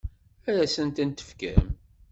Ad asent-tent-tefkem?